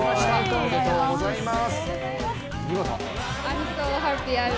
おめでとうございます。